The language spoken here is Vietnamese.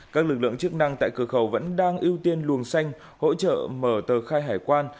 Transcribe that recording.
các lực lượng chức năng tại cửa khẩu vẫn đang ưu tiên luồng xanh hỗ trợ mở tờ khai hải quan